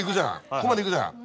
ここまでいくじゃん。